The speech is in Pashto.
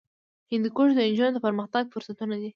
هندوکش د نجونو د پرمختګ فرصتونه دي.